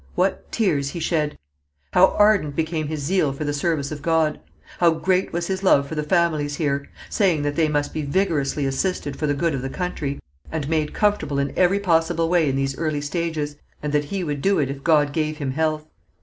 What tears he shed! How ardent became his zeal for the service of God! How great was his love for the families here saying that they must be vigorously assisted for the good of the country, and made comfortable in every possible way in these early stages, and that he would do it if God gave him health.